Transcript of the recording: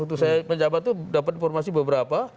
waktu saya menjabat itu dapat informasi beberapa